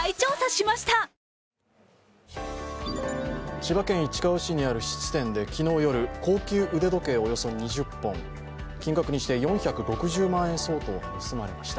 千葉県市川市にある質店で昨日夜、高級腕時計およそ２０本、金額にして４６０万円相当が盗まれました。